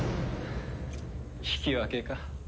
引き分けか。